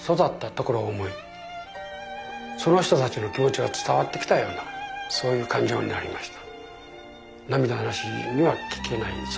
その人たちの気持ちが伝わってきたようなそういう感情になりました。